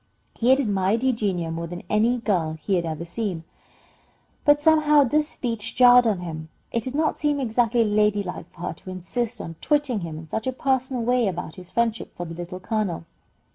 He had admired Eugenia more than any girl he had ever seen, but somehow this speech jarred on him. It did not seem exactly ladylike for her to insist on twitting him in such a personal way about his friendship for the Little Colonel.